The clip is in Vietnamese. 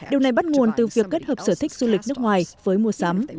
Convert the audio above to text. điều này bắt nguồn từ việc kết hợp sở thích du lịch nước ngoài với mua sắm